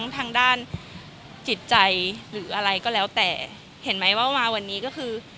ทางด้านจิตใจหรืออะไรก็แล้วแต่เห็นไหมว่ามาวันนี้ก็คือ